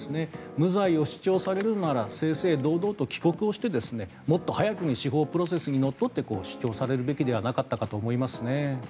無罪を主張されるなら正々堂々と帰国してもっと早く司法プロセスにのっとって主張されるべきではなかったかと思います。